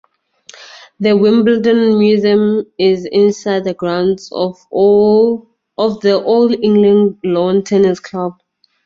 The Wimbledon Museum is inside the grounds of the All England Lawn Tennis Club.